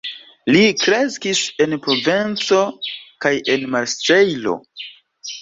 Li kreskis en Provenco kaj en Marsejlo.